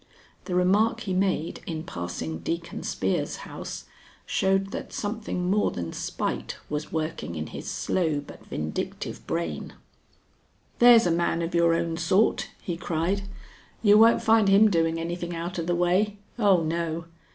The remark he made in passing Deacon Spear's house showed that something more than spite was working in his slow but vindictive brain. "There's a man of your own sort," he cried. "You won't find him doing anything out of the way; oh, no.